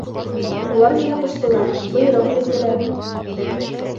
Улар миңә ҡуштылар, бойороҡ бирҙеләр!